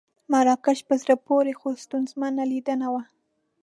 مراکش په زړه پورې خو ستونزمنه لیدنه وه.